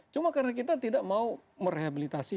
cuma karena kita tidak mau merehabilitasi